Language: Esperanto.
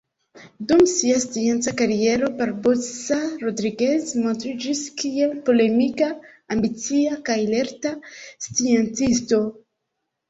Dum sia scienca kariero, Barbosa Rodriguez montriĝis kiel polemika, ambicia kaj lerta sciencisto.